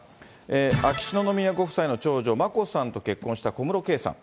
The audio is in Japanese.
秋篠宮ご夫妻の長女、眞子さんと結婚した小室圭さん。